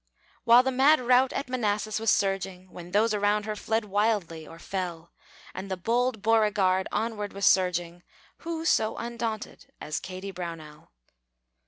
While the mad rout at Manassas was surging, When those around her fled wildly, or fell, And the bold Beauregard onward was urging, Who so undaunted as Kady Brownell!